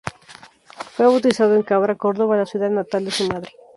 Fue bautizado en Cabra, Córdoba, la ciudad natal de su madre.